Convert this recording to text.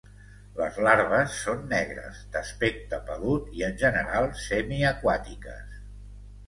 Les larves són negres, d'aspecte pelut i, en general, semiaquàtiques.